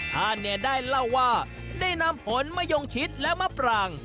ท่านเนี่ยได้เล่าว่าได้นำผลมะยงชิดและมะปราง